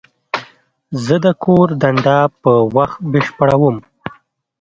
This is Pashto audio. زه د کور دنده په وخت بشپړوم.